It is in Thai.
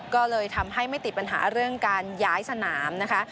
ก็เลยทำให้ไม่ติดปัญหาเรื่องการย้ายสนามนะคะ